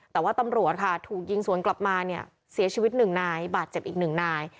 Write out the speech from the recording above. แต่ว่าตำรวจค่ะถูกยิงสวนกลับมาเนี่ยเสียชีวิตหนึ่งนายบาดเจ็บอีกหนึ่งนาย